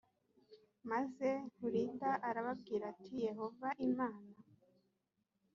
maze hulida arababwira ati yehova imana